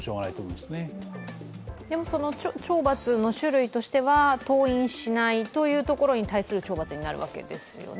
でも懲罰の種類としては、登院しないということに対する処罰になるわけですよね？